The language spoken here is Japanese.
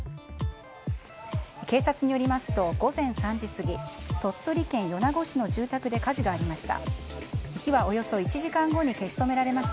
警察によりますと午前３時過ぎ鳥取県米子市の住宅で火事がありました。